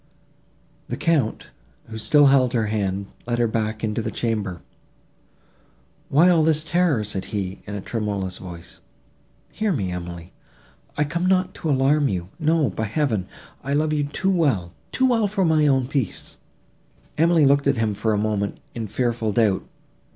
The Count, who still held her hand, led her back into the chamber. "Why all this terror?" said he, in a tremulous voice. "Hear me, Emily: I come not to alarm you; no, by Heaven! I love you too well—too well for my own peace." Emily looked at him for a moment, in fearful doubt.